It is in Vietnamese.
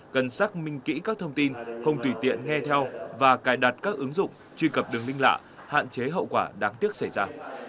cần xác minh kỹ các thông tin không tùy tiện nghe theo và cài đặt các ứng dụng truy cập đường linh lạ hạn chế hậu quả đáng tiếc xảy ra